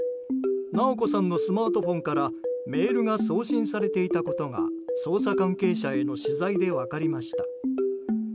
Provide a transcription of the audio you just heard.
直子さんのスマートフォンからメールが送信されていたことが捜査関係者への取材で分かりました。